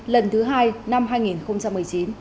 lần thứ hai năm hai nghìn một mươi chín